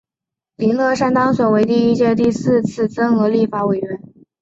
林乐善当选为第一届第四次增额立法委员。